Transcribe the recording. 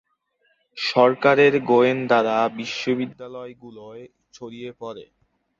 সরকারের গোয়েন্দারা বিশ্ববিদ্যালয়গুলোয় ছড়িয়ে পড়ে।